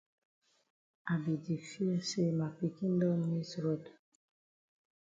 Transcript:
I be di fear say ma pikin don miss road.